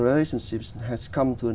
để di chuyển vào tương lai